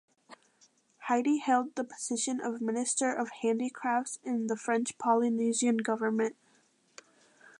Haiti held the position of Minister of Handicrafts in the French Polynesian government.